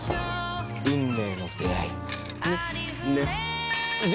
運命の出会い。ね？